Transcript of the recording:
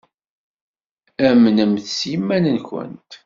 Amnemt s yiman-nkent.